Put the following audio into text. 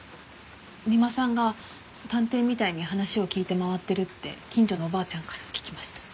三馬さんが探偵みたいに話を聞いて回ってるって近所のおばあちゃんから聞きました。